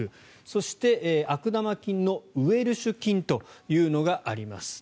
そして、悪玉菌のウェルシュ菌というのがあります。